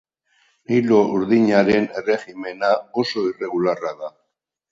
Nilo Urdinaren erregimena oso irregularra da.